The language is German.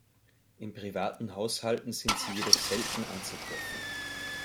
In privaten Haushalten sind sie jedoch selten anzutreffen.